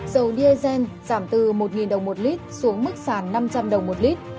dầu diesel giảm từ một đồng một lít xuống mức sàn năm trăm linh đồng một lít